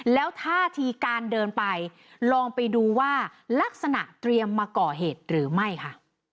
แล้วท่าทีการเดินไปลองไปดูว่าลักษณะเตรียมมาก่อเหตุหรือไม่ค่ะ